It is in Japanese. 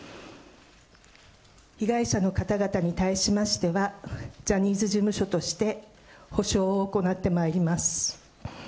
被害者の方々に対しましては、ジャニーズ事務所として補償を行ってまいります。